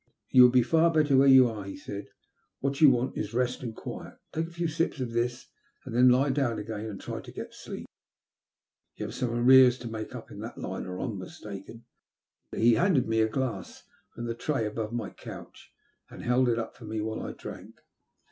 •* You will be far better where you are," he said. " What you want is rest and quiet. Take a few sips of this, and then lie down again and try to get to sleep. You have some arrears to make up in that line, or I'm mistaken.'* He handed me a glass from the tray above my couch, and held it for me while I drank.